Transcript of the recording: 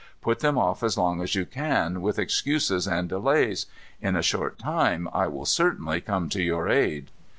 Put them off as long as you can, with excuses and delays. In a short time I will certainly come to your aid."